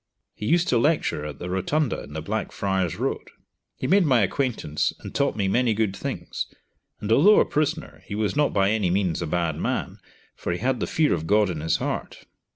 He used to lecture at the rotunda in the Blackfriar's Road. He made my acquaintance, and taught me many good things, and although a prisoner, he was not by any means a bad man, for he had the fear of God in his heart.